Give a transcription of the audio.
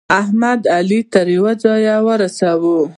احمد؛ علي تر يوه ځايه ورساوو.